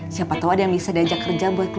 siapa tau ada yang bisa diajak kerja buat keluarga